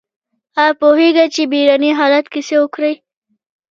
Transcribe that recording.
ایا پوهیږئ چې بیړني حالت کې څه وکړئ؟